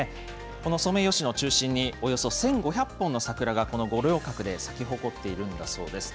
このソメイヨシノを中心におよそ１５００本の桜がこの五稜郭で咲き誇っているんだそうです。